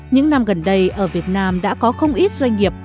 những năm gần đây ở việt nam đã có không ít doanh nghiệp